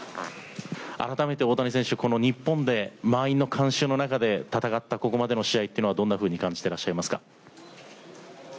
改めて、大谷選手、この日本で、満員の観衆の中で戦った、ここまでの試合というのはどんなふうに感じられていますか。